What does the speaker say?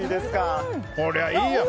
こりゃいいや。